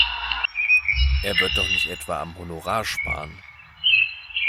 Er wird doch nicht etwa am Honorar sparen!